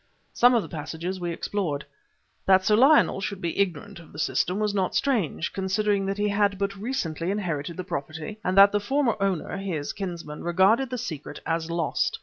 Some of the passages we explored. That Sir Lionel should be ignorant of the system was not strange, considering that he had but recently inherited the property, and that the former owner, his kinsman, regarded the secret as lost.